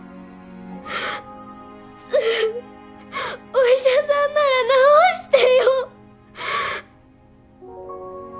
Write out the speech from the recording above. お医者さんなら治してよ。